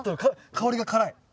香りが辛い。